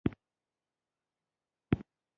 په داسې حال کې چې چین تر مراندو لاندې کمزوری شو.